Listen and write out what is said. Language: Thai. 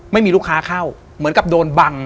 ไม่มีลูกค้าเข้าเหมือนกับโดนบัง